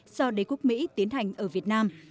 do đế quốc mỹ tiến hành ở việt nam